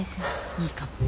いいかも。